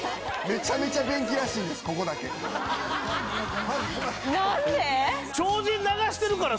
めちゃめちゃ便器らしいんですここだけ。何で？